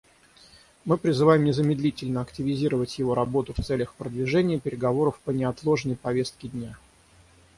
Мы призываем незамедлительно активизировать его работу в целях продвижения переговоров по неотложной повестке дня.